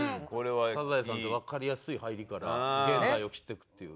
『サザエさん』ってわかりやすい入りから現代を斬っていくっていう。